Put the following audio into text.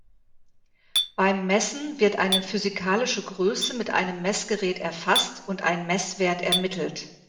Beim Messen wird eine physikalische Größe mit einem Messgerät erfasst und ein Messwert ermittelt.